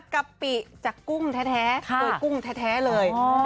กะปิจากกุ้งแท้โดยกุ้งแท้เลย